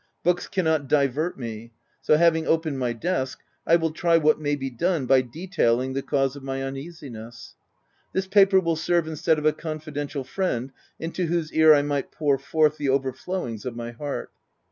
Books cannot divert me ; so having opened my desk, I will try what may be done by detailing the cause of my un easiness. This paper will serve instead of a OP WILDFELL HALL. 321 confidential friend into whose ear I might pour forth the overflowings of my heart.